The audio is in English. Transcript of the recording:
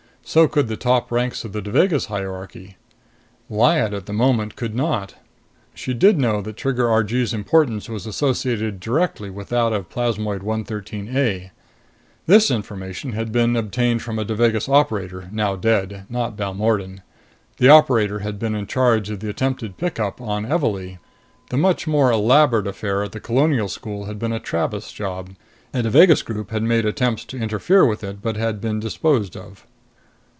So could the top ranks of the Devagas hierarchy. Lyad, at the moment, could not. She did know that Trigger Argee's importance was associated directly with that of plasmoid 113 A. This information had been obtained from a Devagas operator, now dead. Not Balmordan. The operator had been in charge of the attempted pickup on Evalee. The much more elaborate affair at the Colonial School had been a Tranest job. A Devagas group had made attempts to interfere with it, but had been disposed of.